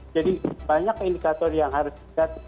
jadi banyak indikator yang harus dilihat